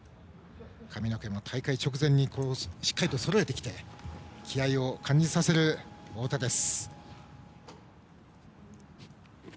髪の毛も大会直前にしっかりとそろえてきて気合いを感じさせる太田です。